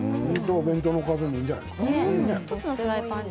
お弁当のおかずにいいんじゃないですか。